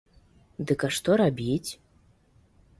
Дык а што рабіць?